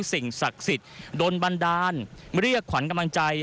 สิ่งศักดิ์สิทธิ์โดนบันดาลเรียกขวัญกำลังใจ